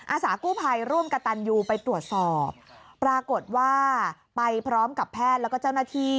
อาสากู้ภัยร่วมกับตันยูไปตรวจสอบปรากฏว่าไปพร้อมกับแพทย์แล้วก็เจ้าหน้าที่